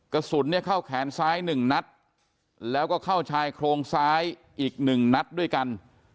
กระสุนเข้าแขนซ้าย๑นัดแล้วก็เข้าชายโครงซ้ายอีก๑นัดด้วยกัน